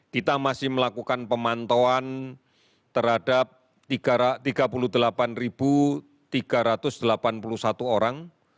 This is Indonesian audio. kita masih melakukan pemantauan terhadap tiga puluh delapan tiga ratus delapan puluh satu orang